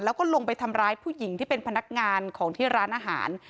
แล้วก็ลงไปทำร้ายผู้หญิงที่เป็นพนักงานของที่ร้านอาหาร